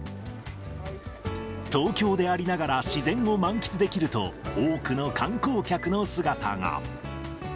東京でありながら自然を満喫できると、多くの観光客の姿が。